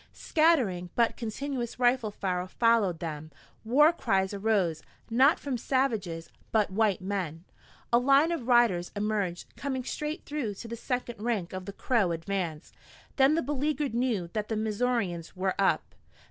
Scattering but continuous rifle fire followed them, war cries arose, not from savages, but white men. A line of riders emerged, coming straight through to the second rank of the Crow advance. Then the beleaguered knew that the Missourians were up.